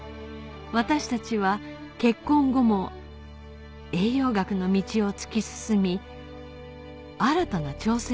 私たちは結婚後も栄養学の道を突き進み新たな挑戦を始めました